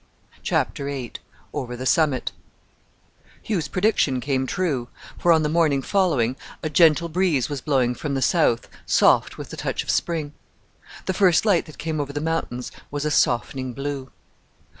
CHAPTER VIII OVER THE SUMMIT Hugh's prediction came true, for, on the morning following, a gentle breeze was blowing from the south, soft with the touch of spring. The first light that came over the mountains was a softening blue.